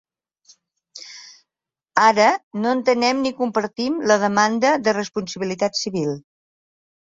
Ara, no entenem ni compartim la demanda de responsabilitat civil.